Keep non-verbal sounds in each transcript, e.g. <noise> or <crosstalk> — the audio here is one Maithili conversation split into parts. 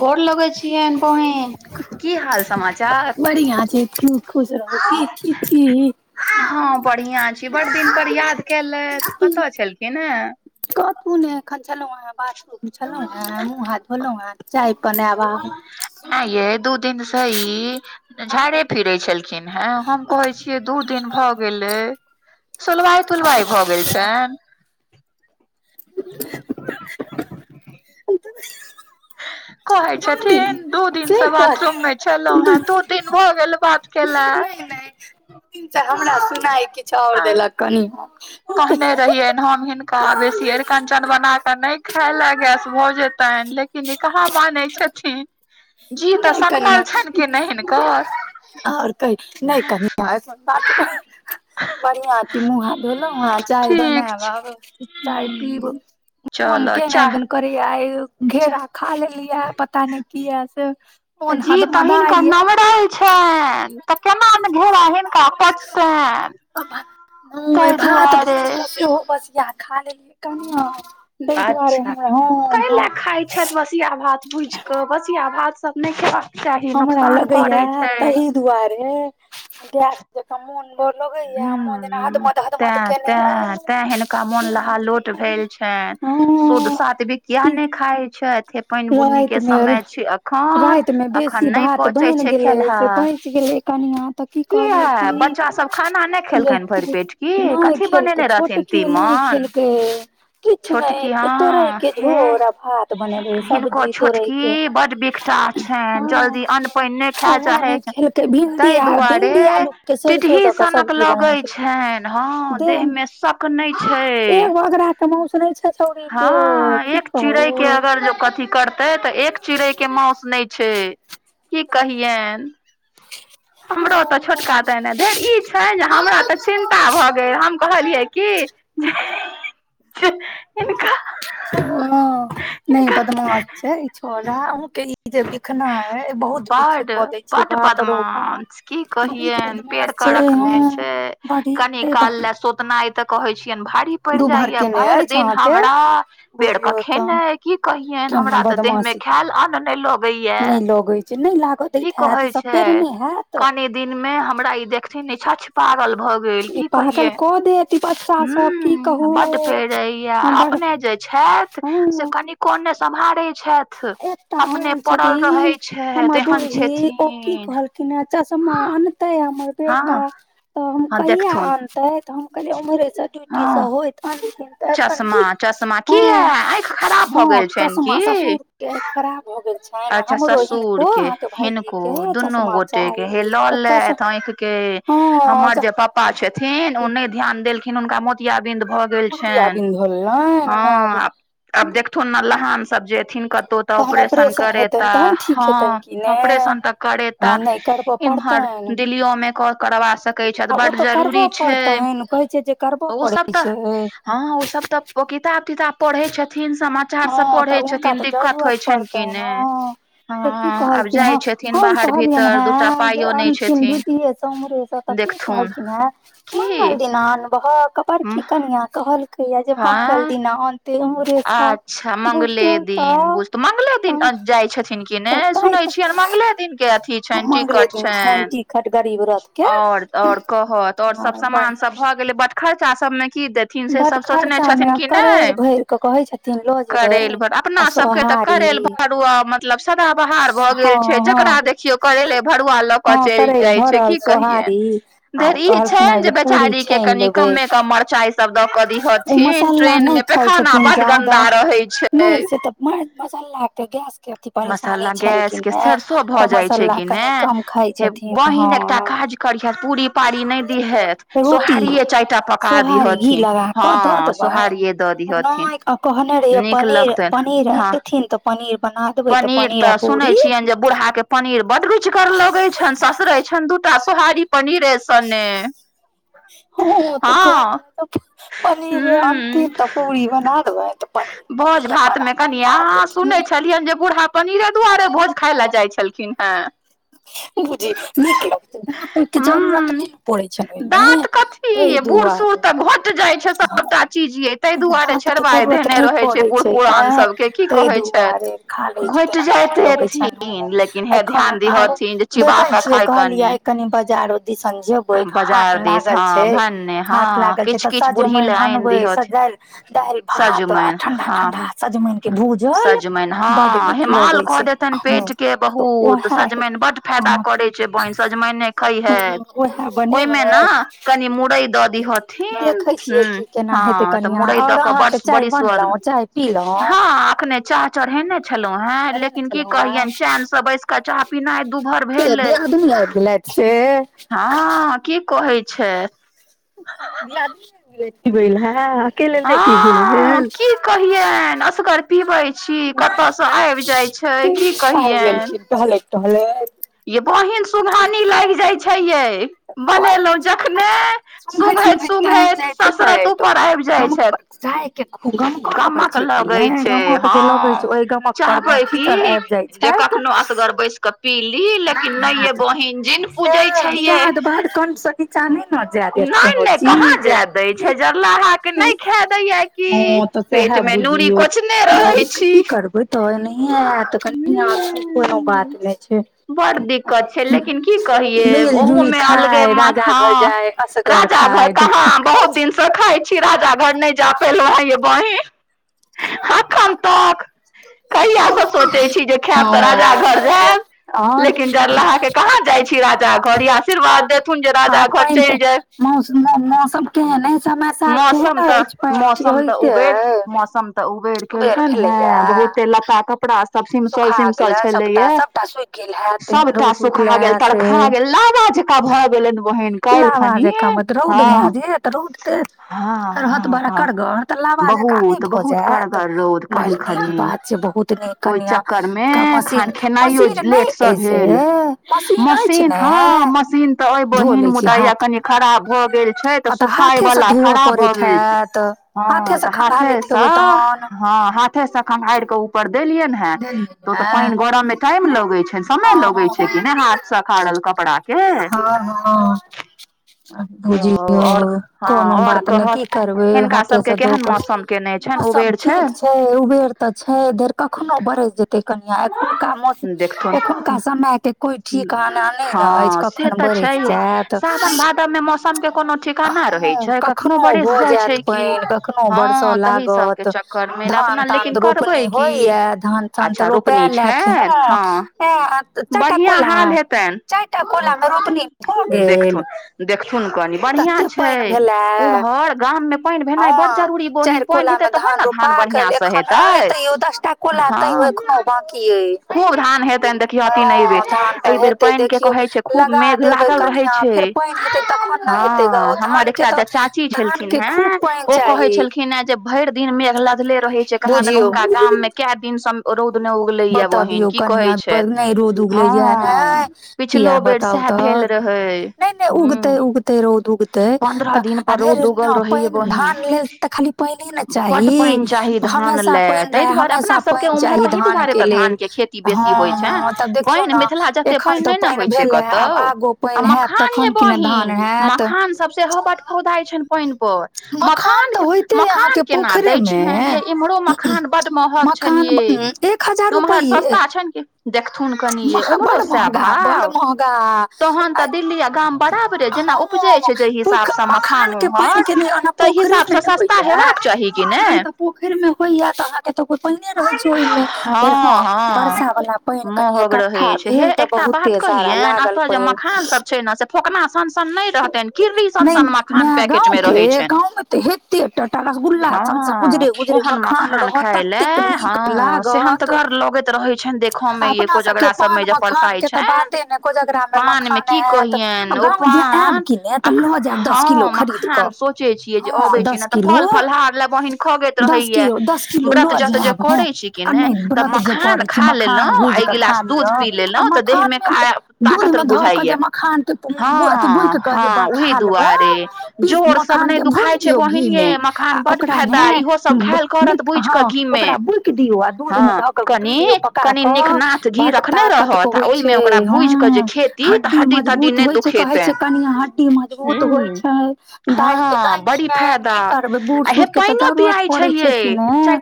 गोर लगै छियनि बहिन की हाल समाचार हँ बढ़िआ छी बड़ दिन पर याद केलथि कतऽ छलखिन ह कथू ने एखन छलौ है बात ए यै दू दिन स इ झाड़े फिरैत छलखिन हेँ हम कहै छियै दू दिन भग भेलै सोलवाइ तुलवाइ भऽ गेल छनि <unintelligible> कहे छथिन दू दिन से बाथरूम मे छलहुं हेँ दू दिन भऽ गेल बाथ केेला हमरा सुनाइ किछु आओर देलक कनियाँ कहने रहियै हम हिनका बेसी एरकंच कर्तन बना कऽ नहि खाायलए गैस भऽ जेतनि लेकिन इ कहा माने छथिन जी तऽ सनकल छनि किने हिनकर आओर कह नहि कनिया <unintelligible> बढ़ियाती मुह धोलहु हँ चाय बनाब आब चाय पीब मोन केना दन करेया घेरा खा लेलियै पता नै किया से तऽ जी त हिनका नमरल छनि तऽ केना ने घेरा हिनका पचतनि <inaudible> भात भूज कऽ सेहो बसिया खा लेलियै ह तइ दुआरे हमरा हँ कैयला खााय छथि बसिया भात भुजि कऽ बसिया भात सब नहि खेबाका चाही नुकसान करै छै दुआरे गैंस जेका मोन ह तैं तैं तैं हिनका मोन लहा लोट भेल छनि शुद्ध सादविक किया ने खााय छैथ हे राति मे राति मे बेसी भात बनि गेलै से बचि गेलै कनिया त की कहलिय की जे नहि खेलकै छोटकी नहि खेलकै छोटकी हाँ हे हिनको को छोटकी बड विकटाह छनि जल्दी अन्न पानि नहि खाय चाहे छनि ताहि दुआरे टिटही सनक लगै छनि हँ देह मे स क न‌इ छै एक बगरा के मौस नै छै हँ एक चिड़ै के अगर जो कथी कर ते तऽ एक चिड़ै के मासु नहि छै की कहियन हमरो तऽ छोटका तेहने धेर ई छैन जे हमरा तऽ चिन ता भऽ गेल हम कहलियै कि हिनका ओ नै बदमाश छै छो अहूं के ई जे बिखना है बहुत बिख पदे छै बड बदमाश की कहिन पेड़ के रखने छै कनि काल ले सुतनाए त कहे छियनि भारी पड़ि जाइया भरि दिन हमरा पेर क खेने की कहियैन हमरा ते देह में खायल अन्न नै लग होइया कि कहै छै कनि दिन मे हमरा ई देख निछछ पागल भऽ गेल की कहियै ह्म बड पेर जाइयै अपने जे छथि से कनीको नै सम्हारे छथि अपने पड़ल रहै छथि एहन छथिन खिन है चश्मा अनतै हमर बेटा तऽ हम कहिया अनतै तऽ हम कहलियै ओम्हरे सँ ड्यूटी सँ होइत अनथिन तऽ एखन कि हँ हँ छैन की देह खराब भ गेल छै अच्छा ससुर के हिनको दुनू गोटे के हे लेत आँखि के हमर जे पापा छथिन ओ नहि ध्यान देलखिन हुनका मो तियाबिन्द भऽ गेल छनि <unintelligible> हँ आ आब देखथुन ने लहान सब जेथिन कतहु तऽ ऑपरेशन करेता हँ ऑपरेशन तऽ करेता इम्हर दिल्लियो मे क करबा सकै छथि बड्ड जरूरी छै ओ सब तऽ हँ ओ सब तऽ ओ किताब तिताब पढ़े छथिन समाचार सब पढ़े छथिन दिक्कत होइ छनि कि ह से की कहलखिन हँ हम कहलियनि हैं जे अनथिन ड्युटिये सँ उम्हरे सँ त कि कहलखिन है मंगल दिन आनबहक बड़की कनिया कहलकैया जे मंगल दिना अनतै अच्छा मंगले दिन बुझत मंगलो दिन जाइ छथिन किने सुनै छियनि मंगले दिन के अथी छनि टिकट छनि और और कहत त और सब समान सब भए गेले बड खर्चा सब मे की देत बड्ड खर्चा मै करैर भरि कऽ कहै छथिन करेल भर अपना सबके तऽ करेल भरुआ मतलब सदाबहार भऽ गेल छै जकरा देख खियौ करैले भरुआ ल क चलि जाइ छै की कहियनि धरि ई छनि जे बेचारी के कनि कमे क मरचाई सब द क दीहथिन ट्रेन मे पैखाना बड गन्दा रहे छै मारि मसाला क गैस अथी परेशानी छै कि नै तऽ मसाला कनि कम खाइ छथिन हँ करिहथ पूरी पाड़ी नहि दिहेथ सोहारिये चारि टा पका दिहथ थिन हँ सोहारिये दऽ दीहथिन नीक लगतैन हँ पनीर तऽ सुनै छियनि जे बूढ़ा के पनीर बड रुचिगर लगै छनि ससरै छनि दू टा सोहारी पनीरे सने ह तऽ कहल मतलब पनीर अन्ति तऽ पूरी बना दबै तऽ पनीर भोज भात मे कनि आहा सुनै छलियनि जे बूढ़ा पनीर दुआरे भोज खााय लए जाइ छलखिन हे बुझ तके जरूरत नहि ने पड़ै छै ओहिमे त दुआर त तऽ जरूरत नहि पड़ै छै तइम ताहि दुआरे खा लै न लगै छ एखन आब देखे छियै कहलियै कनि बजारो दिसन जेबे हाट ला लागल छै हाट लागल छै तऽ सजमनि अनबे भात आ ठंडा ठंडा सजमनि के भूजल बड्ड नीक लगै छै ह तऽ उएहे ह उएह बनेबै देखै छियै की केना हेतै कनिया और अहाँके चाय बनलहु चाय हँ आखने चाह चढ़ेने छलहु हें लेकिन की कहियनि चेनसँ बैस कऽ चाह पिनाइ दू भर भेलै से हँ की कहै छथि <unintelligible> की भेल है अकेलै ने पिल भेल आबि गेलखिन टहलैत टहलैत य बहिन सुघानी लागि जाइ छै ये बनेलहु जखने सुघैत सुूघैत ससरति ऊपर आबि जाइ छथि गमक लगै छै हँ चाहबै की जे कखनो असगर बैस क पीली लेकिन नहि ये बहिन जिन पूजै छै ये कण्ठ स निचा नहि ने जाय देत कोनो चीज हँ तऽ सएह बुझियौ त की करबै तो नहि आयत कनिया कोनो बात नहि छै बड़ दिक्कत छै लेकिन की कहिए ओहो मे अलगे मन हँ राजा घर कहाँ बहुत दिन से खई छी राजा घर नहि जा पेलहुं आइयौ बहिन अखन तक ओ आओर आर पइन तइन मौस मौसम केहन समय साल केहन अछि पानि होयते ह तऽ उबैड़ केलकन हे बहुते लत्ता कपड़ा सुखा गेले सबटा सभटा सुखि गेल हे तेहन रौद उगला से लावा जेैका मत रौद भे देत रौद तऽ रहत बड़ करगर तऽ लाबा जकाँ नहि भऽ जायत मारितै बात छै बहुत नीक कनिआँ मशीन मशीन नहि अछि से मशीन अछि ने मसिन तऽ बहिन मुदा या कनी खराब भए गेल छै तऽ सुखााय वालला खराप भऽ गेल छै हँ तऽ हाथेसँ हँ हाथे स कमहार के ऊपर देलियैन हे तऽ ओ तऽ पानि गरअ मे टाइम लगैत छै समय लगैत छै कि नहि हाथ सखड़ल कपड़ा के ह हँ बुझियो कोनो बात नहि की करबै हाथेसँ धो कऽ मौसम ठीक छै उबेर तऽ छै घेर कखनो बरस जेतै कनिया एखुनका मौस एखुनका समय के कोई ठिक आना नहि ने अछि से तऽ छैेहै साावन भादव मे मौसम के हँ कखनो भऽ जायत पानि कखनो बरसे लागत धान तान रोपनी होइय धान तान तऽ रोप पैलै के ह चारिटा कोला चारि टा कोला मे रोपनी भऽ गेल देखथुन कनि बढ़िया छै उम्हर गाम में पानि भेनाइ बड़ जरूरी बहिन कोला में धान रोपा गेल एखन अय तैयो दस टा कोला तैयो एखनो बंाकी अइ हँ धान तऽ हेतै देखियौ लगा देबै कनिआ फेर पइन हेतै तखन हँ हमर एकटा जे चाची छलखिन हे ओ कहे छलखिन हे जे भरि दिन मेघ लगले रहे छै कह द हुनका गाम में के दिन सँ रोउद बतबियौ कनिया नहि रौद उगले जे है ने किया बताउ तऽ नहि नहि उगते उगते रौद उगतै तऽ अधे न पै धान खाली पहिनेे ने चाही हमेशा पान रहे हमेशा पानि चाही धान लेल हँ हँ तब देखियौ ने एखन तऽ पानि भेले आब आगो आ मखान ये बहिन मखान सब सेहो बट खौधाइ छनि पानि पर मखान मखान केना दय छनि ये इम्हरो मखान बड महग छनि ये उम्हर सस्ता छनि कि देखथुन कनि ये उम्हरो सेह भाव तोहन तऽ दिल्ली आ गाम बड़ा जेना उपजे छै जेहि हिसाब से मखान उम्हर ताहि हिसाब से सस्ता आ मखान तऽ पोखरि मे होइया तऽ अहाँके तऽ को पानिए रहैत छै ओहिमे फेर हँ बर्षा वाला पानि कनि एकठ्ठा भेल तऽ बहुते सारा लागल पानि छै ने से फोकना सनसन नहि रहतनि किरी सनसन मखान पैकेटमे रहैत छनि हँ ओहन मखान खाय लए हँ सेहन्तगर लगैत रहैत छनि देखय मे यै कोजगड़ा सभमे जे परसाइत छनि पान मे की कहियनि ओ पान हँ मखान सोचे छियै जे अबै छै ने तऽ फल फलहार ल बहिन खगेत रहैया व्रत जत जे करै छी कि तऽ मखान खा लेलहुँ एक गिलास दूध पी लेलहुँ तऽ देह मे दूध मे धऽ के जे मखान त त बुक कह जे बखा लेबै पीस मखान के भूज दियऔ घी मे आ ओकरा ह न हँ ओकरा बु बुइक दियऔ आ दूध मे धऽ की पका कऽ बड्ड ताकत के होइ छै हँ हड्डी मजबूत होइ छै कह कनिया हड्डी मजबूत होइ छै दाल के दै छिय की करबे बूढ़ सूढ़ के तऽ जरूरत पड़ै छै कि ने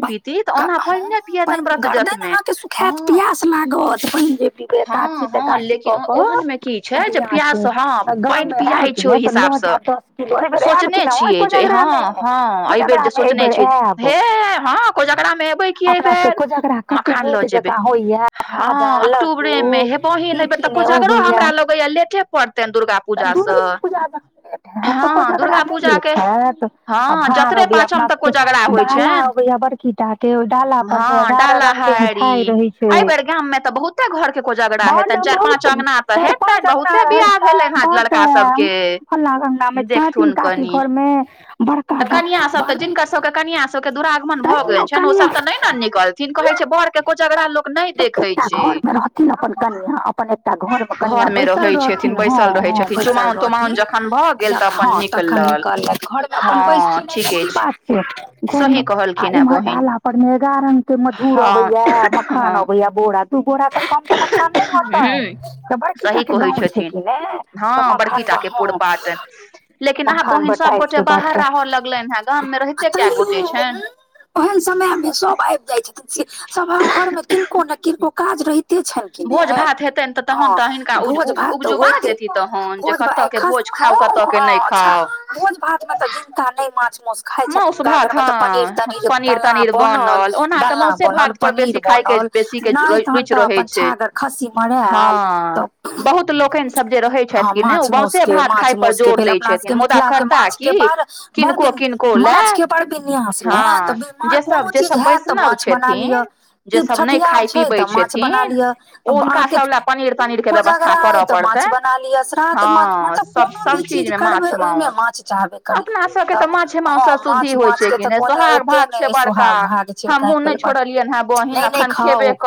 हँान गर्दन अहाँके सुखायत पियास लागत पान जे काची तऽ काशी कऽ कऽ बढ़आ छै ग आयब क नहि त ल जैत बेर आयब कि न कोजगरा मे कोजगरा मे एहि बेर आयब अपना सबके कोजगरा कते नीक जकाँ होइया खाजा लड्डू बहिीन हेबै तऽ को झगड़ो हमरा लगे य लेटे पड़ते दुर्गा पूजा स हँ दुर्गा पूजाक के हँ जतरे पाछम तक कोजगरा होइ छनि ा बड़की टा के डाला पर मे एगारह रंग के मिठाई रहे छै कोजागरा हेतेन चार पाँच चारि पाँच अङंगगना रहे छै बडड फलला अङंगगना मे छ तिन काकी घरमे तऽ कनिया सब तऽ जिनकर सबके कनिया सबके के दुरागमन भऽ गेल छनि ओसभ तऽ नहि ने निकलत न कहे छै बर के कोजगरा ल लोक नहि देखे छै मे रहथिन अपन कनिया अपन एकटा घर घर मे कनिया बैसल रहथिन हँ हँ बैसल रहथिन त ह तखन निकल ले घर अपन बैस की बात छै घर आ इम्हर डाला पर मे एगार के मधुर अबैया मखान अबैया बोरा तू बोरा त कम तऽ मखान नै औते तऽ बड़की टा के गाँव छै कि ने तऽ मखन बहु हँ मखान बटाइ छै बडड तझ्यौ उ ओहिल समयमे सभ आबि जाइत छथिन से सभा घरमे किनको ने किनको काज रहिते छनि भोज भात हेतै ने तऽ तहन तऽ हिनका उपजुबा जेती तहन जे कतऽ के भोज खाउ कतऽ के नहि खाउ भोज भात मे तऽ जिन्ता नहि माछ मासस खााय छथिन हुनका घर में तऽ पनीर तनीर डलना बनल डलना बनल पनीर बनल नहि तहन तऽ अपन छागर खस्सी मरायल त माछ माउस के माछ माउस के अपना सब के मिथिला के माछ के पार बर दिन माछ के बड़ विन्यास नहि त कोनो चीज हत तऽ माछ बना लिअ ई छठियार छै तऽ माछ बना लिअ अहाँके पर पनीर के व्यवस्था करऽ पड़तै हँ सब सब चीज मे माछ मासस अपना सबके तऽ माछे सब सा शुद्धि होइ छै कि नहि सोहाग भाग छै बड़का हमहुँ नहि छोड़लियै हे बहिन खन खेबै कर